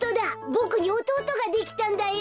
ボクにおとうとができたんだよ。